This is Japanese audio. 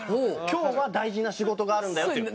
今日は大事な仕事があるんだよっていう。